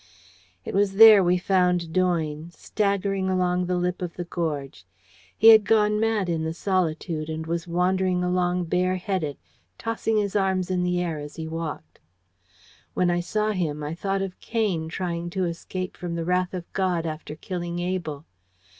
"It was there we found Doyne, staggering along the lip of the gorge. He had gone mad in the solitude, and was wandering along bareheaded, tossing his arms in the air as he walked. When I saw him I thought of Cain trying to escape from the wrath of God after killing Abel.